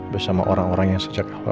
bersama orang orang yang sejak awal